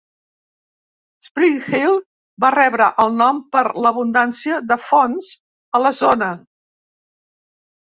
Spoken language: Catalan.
Spring Hill va rebre el nom per l'abundància de fonts a la zona.